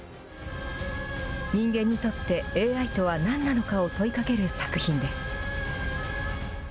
人間にとって、ＡＩとはなんなのかを問いかける作品です。